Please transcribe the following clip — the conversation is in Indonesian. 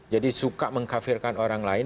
suka mengkafirkan orang lain